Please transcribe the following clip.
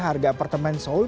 harga apartemen seoul